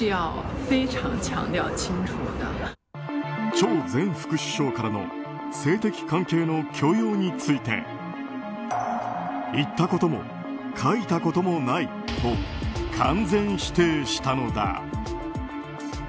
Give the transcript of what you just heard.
チョウ前副首相からの性的関係の強要について言ったことも書いたこともないと完全否定したのだ。